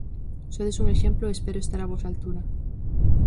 Sodes un exemplo e espero estar á vosa altura.